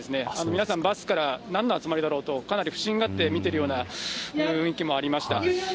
皆さん、バスからなんの集まりだろうと、かなり不審がって見ているような雰囲気もありました。